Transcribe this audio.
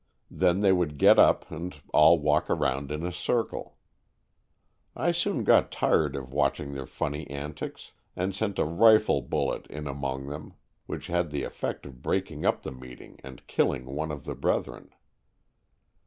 Then they would get up and all walk round in a circle. I soon got tired of watching their funny antics and sent a rifle bullet in among them, which had the effect of breaking up the meeting and killing one of the brethren.